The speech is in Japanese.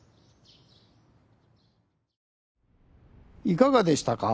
いかがでしたか？